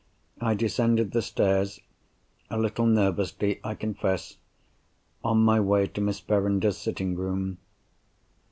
I descended the stairs—a little nervously, I confess—on my way to Miss Verinder's sitting room.